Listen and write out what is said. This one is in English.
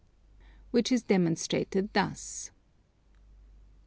Which is demonstrated thus.